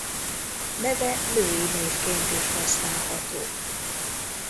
Neve női névként is használható.